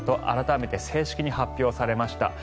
改めて正式に発表されました。